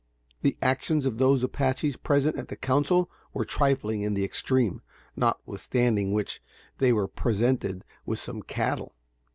The actions of those Apaches present at the council were trifling in the extreme, notwithstanding which, they were presented with some cattle.